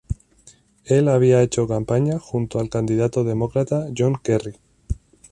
Él había hecho campaña junto al candidato demócrata John Kerry.